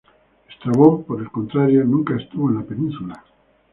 Estrabón por el contrario nunca estuvo en la península.